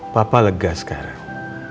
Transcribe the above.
papa lega sekarang